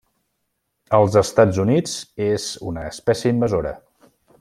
Als Estats Units és una espècie invasora.